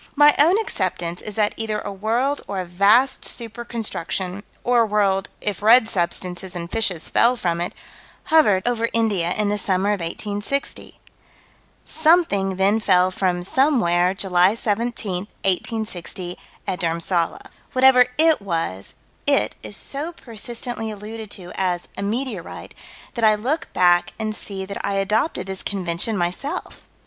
My own acceptance is that either a world or a vast super construction or a world, if red substances and fishes fell from it hovered over India in the summer of 1860. Something then fell from somewhere, July 17, 1860, at Dhurmsalla. Whatever "it" was, "it" is so persistently alluded to as "a meteorite" that I look back and see that I adopted this convention myself.